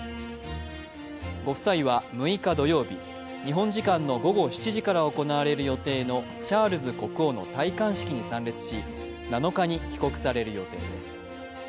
ご夫妻は６日土曜日、日本時間の午後７時から行われる予定のチャールズ国王の戴冠式に参列し７日に帰国される予定です。